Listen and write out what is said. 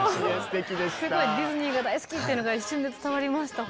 すごいディズニーが大好きっていうのが一瞬で伝わりました。